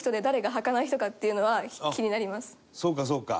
そうかそうか。